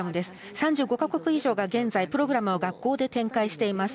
３５か国以上が現在プログラムを学校で展開しています。